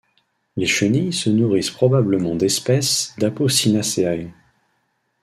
Les chenielles se nourrissent probablement d’espèces d’Apocynaceae.